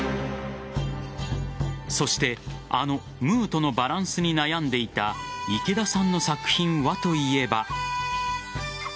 そしてあの「ムー」とのバランスに悩んでいた池田さんの作品はといえば。